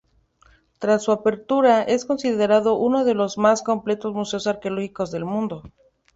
Tras su apertura, es considerado uno de los más completos museos arqueológicos del mundo.